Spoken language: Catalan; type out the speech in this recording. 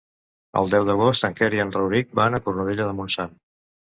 El deu d'agost en Quer i en Rauric van a Cornudella de Montsant.